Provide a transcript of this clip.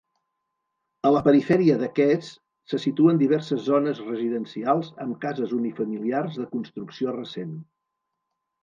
A la perifèria d'aquests se situen diverses zones residencials amb cases unifamiliars de construcció recent.